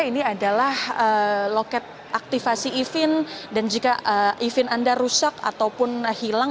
ini adalah loket aktifasi event dan jika event anda rusak ataupun hilang